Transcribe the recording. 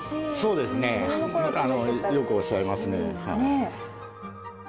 よくおっしゃられますね。